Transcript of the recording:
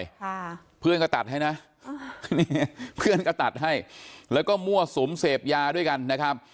ค่ะเพื่อนก็ตัดให้นะนี่เพื่อนก็ตัดให้แล้วก็มั่วสุมเสพยาด้วยกันนะครับ